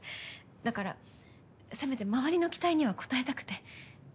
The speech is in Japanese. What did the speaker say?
だからせめて周りの期待には応えたくて。